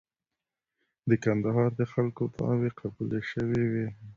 د کندهار د خلکو دعاوي قبولې شوې وې.